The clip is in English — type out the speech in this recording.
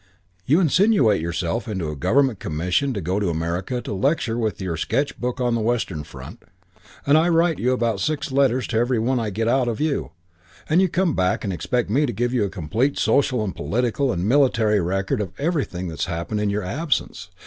You insinuate yourself into a Government commission to go to America to lecture with your 'Sketchbook on the Western Front', and I write you about six letters to every one I get out of you, and you come back and expect me to give you a complete social and political and military record of everything that's happened in your absence.